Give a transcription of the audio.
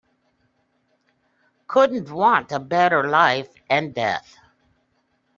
Couldn't want a better life and death.